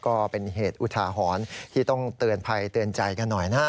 ก็เป็นเหตุอุทาหรณ์ที่ต้องเตือนภัยเตือนใจกันหน่อยนะ